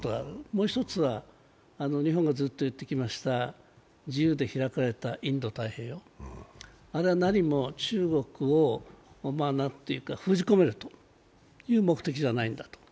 もう１つは、日本がずっと言ってきました自由で開かれたインド太平洋、あれは何も中国を封じ込めるという目的じゃないんだと。